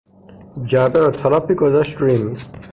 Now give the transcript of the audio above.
جعبه را تالاپی گذاشت روی میز.